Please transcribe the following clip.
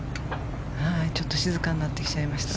ちょっと静かになってきちゃいました。